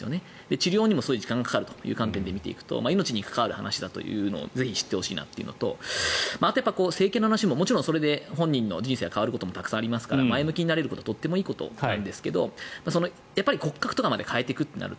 治療でもすごい時間がかかるという観点で見ていくと命に関わる話だとぜひ知ってほしいというのとあとは整形の話もそれで本人の人生が変わることもあるので前向きになれるのはとてもいいことなのですが骨格まで変えるとなると